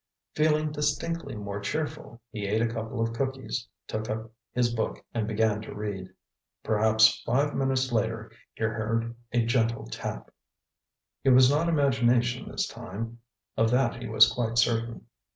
Feeling distinctly more cheerful, he ate a couple of cookies, took up his book and began to read. Perhaps five minutes later, he heard a gentle tap— It was not imagination this time. Of that he was quite certain.